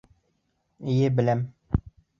— Эйе, беләм.